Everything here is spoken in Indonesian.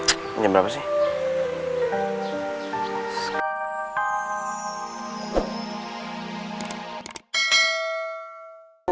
ini udah berapa sih